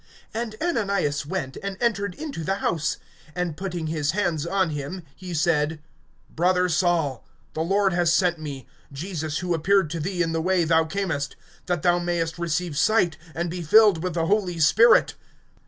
(17)And Ananias went, and entered into the house; and putting his hands on him, he said: Brother Saul, the Lord has sent me, Jesus who appeared to thee in the way thou camest, that thou mayest receive sight, and be filled with the Holy Spirit.